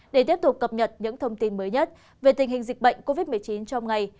để tiếp tục cập nhật những thông tin mới nhất về tình hình dịch bệnh covid một mươi chín trong ngày